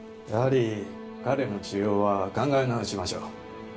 やはり彼の治療は考え直しましょう。